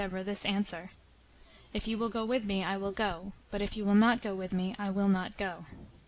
004:008 Barak said to her, If you will go with me, then I will go; but if you will not go with me, I will not go.